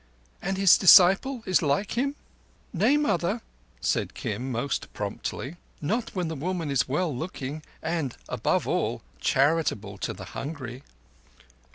"And his disciple is like him?" "Nay, mother," said Kim most promptly. "Not when the woman is well looking and above all charitable to the hungry."